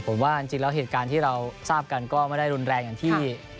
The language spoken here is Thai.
ผมว่าจริงแล้วเหตุการณ์ที่เราทราบกันก็ไม่ได้รุนแรงอย่างที่